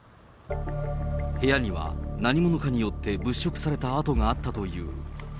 部屋には何者かによって物色された跡があったという。